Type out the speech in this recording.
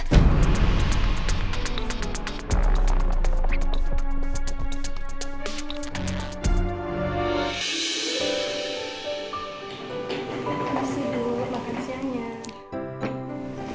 tidak ada apa apa